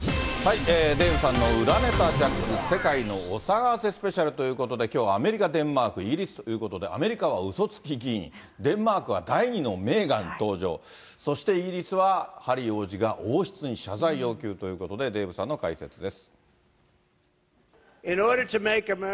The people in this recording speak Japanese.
デーブさんの裏ネタジャック、世界のお騒がせスペシャルということで、きょうはアメリカ、デンマーク、イギリスということで、アメリカはうそつき議員、デンマークは第２のメーガン登場、そしてイギリスはハリー王子が王室に謝罪要求ということで、デーブさんの解説です。